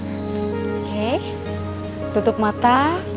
oke tutup mata